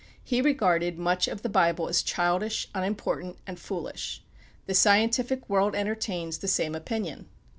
He regarded much of the Bible as childish, unimportant, and foolish. The scientific world entertains the same opinion.